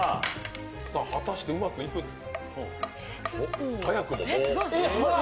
さあ、果たしてうまくいくのか。